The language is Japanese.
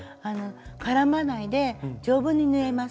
絡まないで丈夫に縫えます。